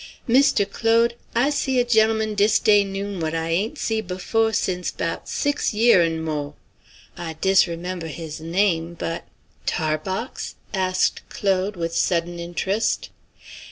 "Mistoo Claude, I see a gen'leman dis day noon what I ain't see' befo' since 'bout six year' an' mo'. I disremember his name, but " "Tarbox?" asked Claude with sudden interest.